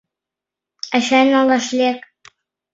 — Ачай, налаш лек!